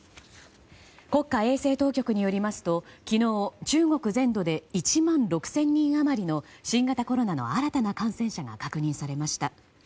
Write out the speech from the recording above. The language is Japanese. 国家衛生当局によりますと昨日、中国全土で１万６０００人余りの新型コロナの新たな感染者が確認されました。